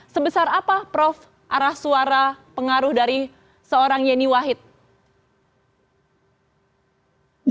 sebesar apa prof arah suara pengaruh dari seorang yeni wahid